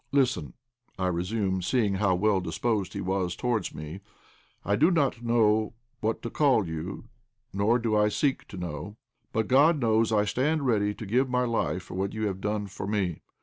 "Listen," I resumed, seeing how well disposed he was towards me, "I do not know what to call you, nor do I seek to know. But God knows I stand ready to give my life for what you have done for me.